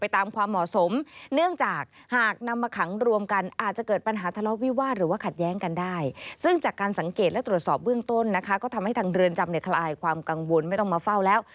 ทำให้ทางเดินจำในคลายความกังวลไม่ต้องมาเฝ้าแล้ว